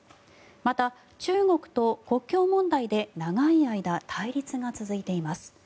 また、中国と国境問題で長い間、対立が続いています。